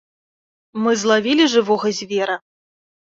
Мы злавілі жывога звера.